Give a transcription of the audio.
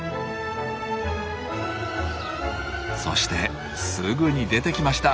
そしてすぐに出てきました。